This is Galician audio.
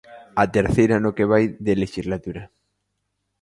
A terceira no que vai de lexislatura.